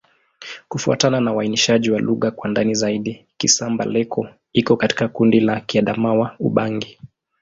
Kufuatana na uainishaji wa lugha kwa ndani zaidi, Kisamba-Leko iko katika kundi la Kiadamawa-Ubangi.